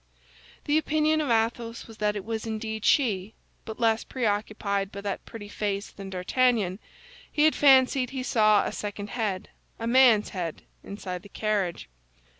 The opinion of Athos was that it was indeed she; but less preoccupied by that pretty face than D'Artagnan, he had fancied he saw a second head, a man's head, inside the carriage.